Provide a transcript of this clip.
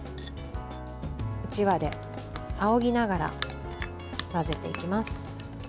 うちわであおぎながら混ぜていきます。